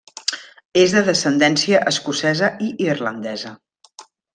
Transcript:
És de descendència escocesa i irlandesa.